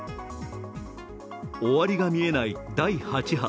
終わりが見えない第８波。